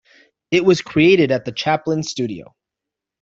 It was created at the Chaplin Studio.